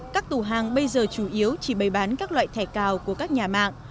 các tù hàng bây giờ chủ yếu chỉ bày bán các loại thẻ cào của các nhà mạng